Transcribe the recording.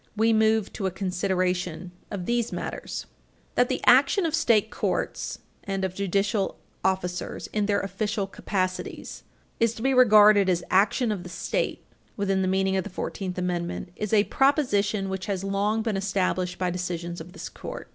We move to a consideration of these matters. II That the action of state courts and judicial officers in their official capacities is to be regarded as action of the State within the meaning of the Fourteenth Amendment is a proposition which has long been established by decisions of this Court.